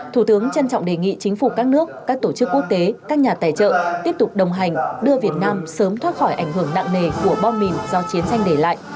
thủ tướng trân trọng đề nghị chính phủ các nước các tổ chức quốc tế các nhà tài trợ tiếp tục đồng hành đưa việt nam sớm thoát khỏi ảnh hưởng nặng nề của bom mìn do chiến tranh để lại